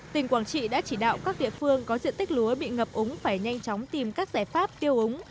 tỉnh quảng trị đã chỉ đạo các địa phương có diện tích lúa bị ngập úng phải nhanh chóng tìm các giải pháp tiêu úng